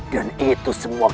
dan itu semua